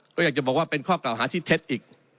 ก็อยากจะบอกว่าเป็นข้อกล่าวหาที่เท็จอีก